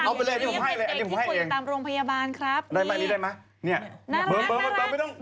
งั้นไงอยากให้ก่อนจ๊ะเฉยดีแต่เด็กดิขุนตามโรงพยาบาลครับนี่น่ารัก